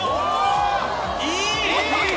いい！